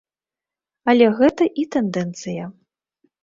Але гэта і тэндэнцыя.